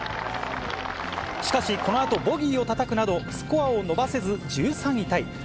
しかし、このあとボギーをたたくなど、スコアを伸ばせず１３位タイ。